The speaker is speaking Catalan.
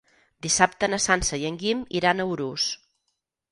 Dissabte na Sança i en Guim iran a Urús.